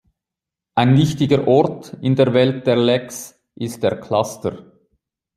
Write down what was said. Ein wichtiger Ort in der Welt der ""Lexx"" ist "Der Cluster".